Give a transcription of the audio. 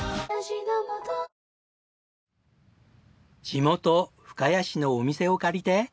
地元深谷市のお店を借りて。